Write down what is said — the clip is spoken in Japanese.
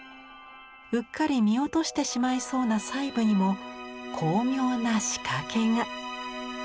うっかり見落としてしまいそうな細部にも巧妙な仕掛けが。